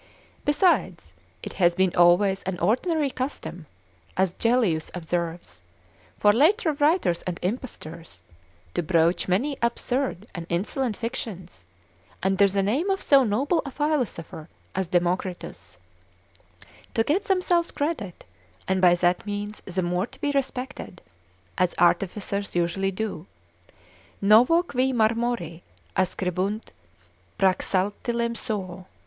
Besides, it hath been always an ordinary custom, as Gellius observes, for later writers and impostors, to broach many absurd and insolent fictions, under the name of so noble a philosopher as Democritus, to get themselves credit, and by that means the more to be respected, as artificers usually do, Novo qui marmori ascribunt Praxatilem suo.